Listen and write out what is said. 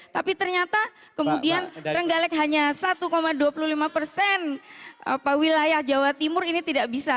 tapi ternyata kemudian terenggalek hanya satu dua puluh lima persen wilayah jawa timur ini tidak bisa